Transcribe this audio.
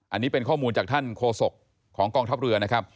อันนี้เป็นข้อมูลจากท่านโคศกของกองทัพเรือนะครับ